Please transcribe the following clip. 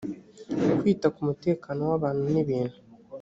kwita ku mutekano w’abantu n’ibintu